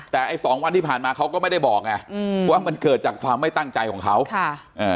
แต่ไอ้สองวันที่ผ่านมาเขาก็ไม่ได้บอกไงอืมว่ามันเกิดจากความไม่ตั้งใจของเขาค่ะอ่า